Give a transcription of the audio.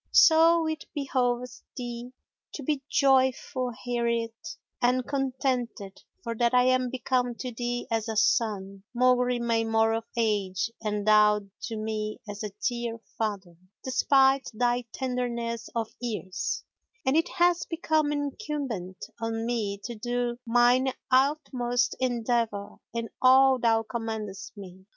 So it behoveth thee to be joyful hereat and contented, for that I am become to thee as a son, maugre my more of age, and thou to me as a dear father, despite thy tenderness of years, and it hath become incumbent on me to do mine utmost endeavour in all thou commandest me.